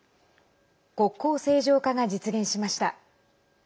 国交正常化が実現しました。